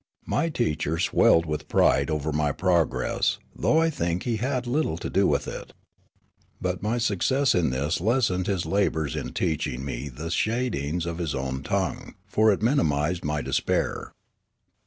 My teacher swelled with pride over my progress, though I think he had little to do with it. But my success in this lessened his la bours in teaching me the shadings of his own tongue, for it minimised my despair.